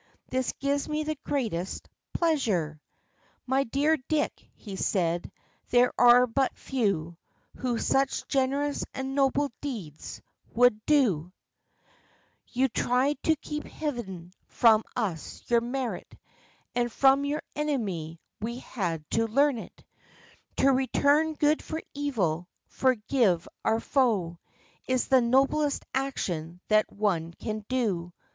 "This gives me the greatest pleasure, My dear Dick," he said; "there are but few Who such generous and noble deeds would do. 90 THE LIFE AND ADVENTURES You tried to keep hidden from us your merit, And from your enemy we had to learn it. To return good for eVil — forgive our foe — Is the noblest action that one can do.